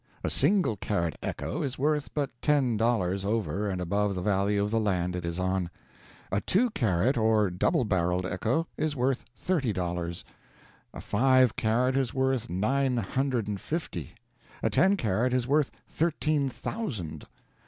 A single carat echo is worth but ten dollars over and above the value of the land it is on; a two carat or double barreled echo is worth thirty dollars; a five carat is worth nine hundred and fifty; a ten carat is worth thirteen thousand.